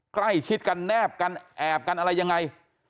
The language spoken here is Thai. ใกล้ชิดกันแนบกันแอบกันอะไรยังไง